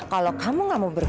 kalau kamu gak mau berpikir